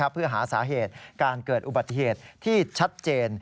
เพื่อหาสาเหตุการเกิดอุบัติเหตุที่ชัดเจน